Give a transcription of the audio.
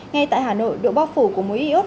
ngay tại hà nội độ bác phủ của mối iốt